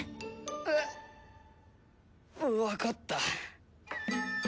えっわかった。